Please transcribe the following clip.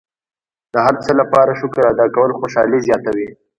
د هر څه لپاره شکر ادا کول خوشحالي زیاتوي.